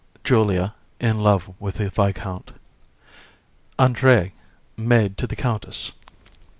JULIA, in love with the VISCOUNT. ANDRÉE, maid to the COUNTESS.